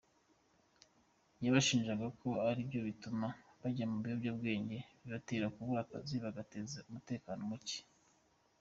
Yabashinjaga ko ari byo bituma bajya mu biyobyabwenge, bibatera kubura akazi bagateza umutekano muke.